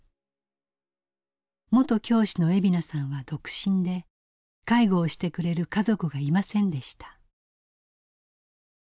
元教師の惠美奈さんは独身で介護をしてくれる家族がいませんでした。